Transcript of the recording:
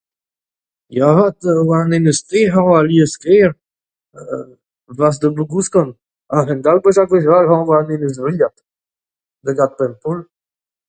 Ya 'vat, war ar memes tre ez an alies kaer 'fas da Blougouskant a-hend-all gwech ha gwech all ez an war Enez-Vriad war-gaout Pempoull.